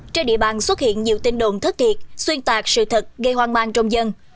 trên địa bàn xuất hiện nhiều tin đồn thất thiệt xuyên tạc sự thật gây hoang mang trong dân